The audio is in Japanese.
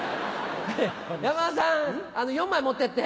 山田さん４枚持ってって。